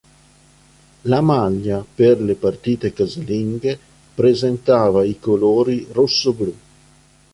La maglia per le partite casalinghe presentava i colori rossoblu.